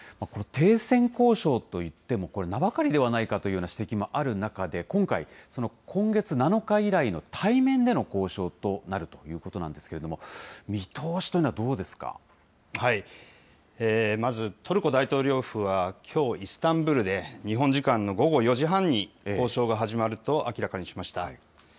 この停戦交渉といっても、これ、名ばかりではないかという指摘もある中で、今回、今月７日以来の対面での交渉となるということなんですけれども、まず、トルコ大統領府は、きょう、イスタンブールで、日本時間の午後４時半に交渉が始まると明らかにしました。